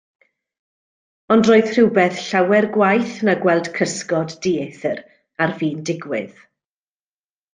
Ond roedd rhywbeth llawer gwaeth na gweld cysgod dieithr ar fin digwydd.